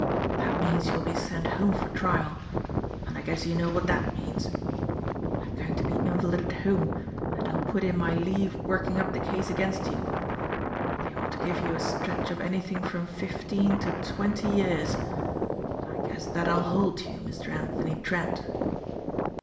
That means you'll be sent home for trial and I guess you know what that means. I'm going to be invalided home and I'll put in my leave working up the case against you. They ought to give you a stretch of anything from fifteen to twenty years. I guess that'll hold you, Mister Anthony Trent."